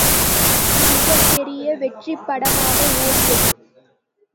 மிகப்பெரிய வெற்றிப்படமாக ஒடியது.